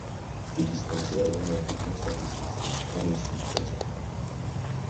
It is considered one of the masterpieces of Spanish literature.